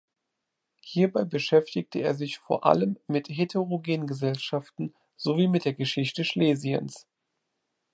Hierbei beschäftigt er sich vor allem mit heterogenen Gesellschaften sowie mit der Geschichte Schlesiens.